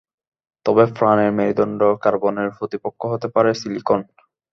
তবে প্রাণের মেরুদন্ড কার্বনের প্রতিপক্ষ হতে পারে সিলিকন।